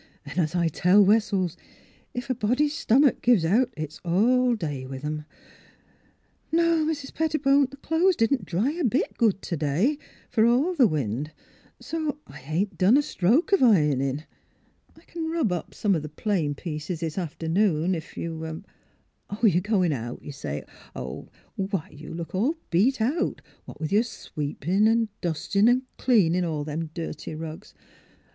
An', as I tell Wessels, if a body's stomitk gives out it's all day with 'em. — No; Mis* Pettibone, the clo'es didn't dry a bit good t'day, fer all the wind; so I ain't done a stroke o' ironin.* I c'n rub off some o' the plain pieces this after noon, if you — Oh, you're goin' out, you say? Why, you look all beat out, what with your sweep in,' and dustin' an' cleanin' all them dirty rugs.